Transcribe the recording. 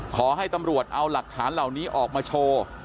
ขอให้ตำรวจเอาหลักฐานเหล่านี้ออกมาโชว์